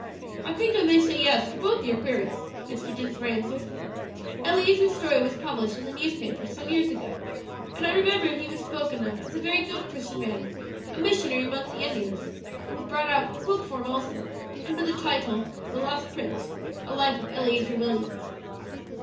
"I think I may say yes to both your queries," Mr. Dinsmore answered. "Eleazer's story was published in the newspapers some years ago, and I remember he was spoken of as a very good Christian man, a missionary among the Indians; it was brought out in book form also under the title 'The Lost Prince: A Life of Eleazer Williams.'